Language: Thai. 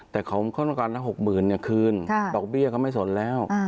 แต่ข้อมูลค่อนข้างละ๖๐๐๐๐คืนดอกเบี้ยเขาไม่สนแล้ว